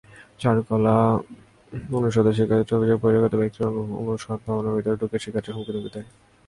চারুকলা অনুষদের শিক্ষার্থীদের অভিযোগ, বহিরাগত ব্যক্তিরা অনুষদ ভবনের ভেতর ঢুকে শিক্ষার্থীদের হুমকি-ধমকি দেয়।